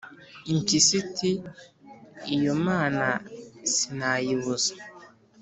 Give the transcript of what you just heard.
Impyisi iti: "Iyo mana sinayibuza!"